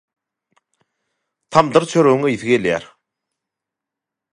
Tamdyr çöregiň ysy gelýär